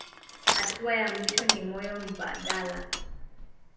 Hatua ya mwisho ni moyo mbadala.